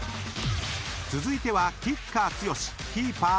［続いては］